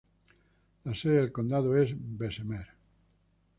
La sede del condado es Bessemer.